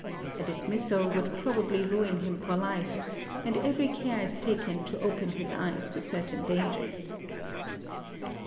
A dismissal would probably ruin him for life ; and every care is taken to open his eyes to certain dangers.